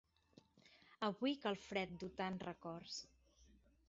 Avui que el fred du tants records.